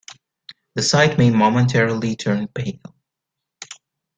The site may momentarily turn pale.